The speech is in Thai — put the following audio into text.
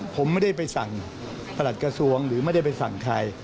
ผมไม่ได้ไปสั่งประหลัดกระทรวงหรือไม่ได้ไปสั่งใคร